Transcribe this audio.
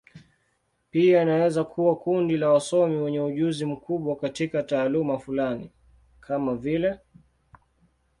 Pia inaweza kuwa kundi la wasomi wenye ujuzi mkubwa katika taaluma fulani, kama vile.